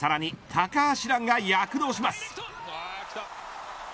高橋藍が躍動します。